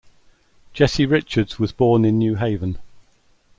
Jesse Richards was born in New Haven.